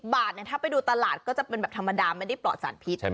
บาทถ้าไปดูตลาดก็จะเป็นแบบธรรมดาไม่ได้ปลอดสารพิษใช่ไหม